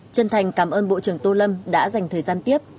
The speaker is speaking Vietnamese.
chân thành cảm ơn bộ trưởng tô lâm đã dành thời gian tiếp